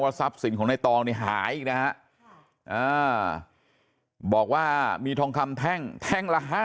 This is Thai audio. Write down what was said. ว่าทรัพย์สินของในตองหายนะบอกว่ามีทองคำแท่งแท่งละ๕๐